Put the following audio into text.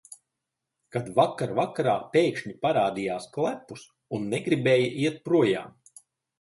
Kad vakar vakarā pēkšņi parādījās klepus un negribēja iet projām.